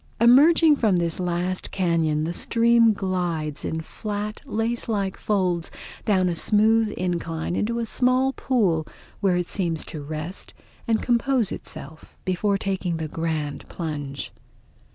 Emerging from this last cañon the stream glides, in flat lace like folds, down a smooth incline into a small pool where it seems to rest and compose itself before taking the grand plunge.